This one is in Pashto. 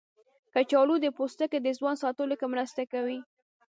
کچالو د پوستکي د ځوان ساتلو کې مرسته کوي.